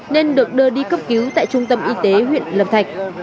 nên được đưa đi cấp cứu tại trung tâm y tế huyện lâm thạch